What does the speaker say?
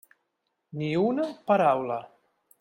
Ni una paraula.